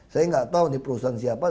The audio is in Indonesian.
saya nggak tau di perusahaan siapa